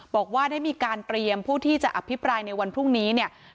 บอกว่าได้มีการเตรียมผู้ที่จะอภิปรายในวันพรุ่งนี้เนี่ย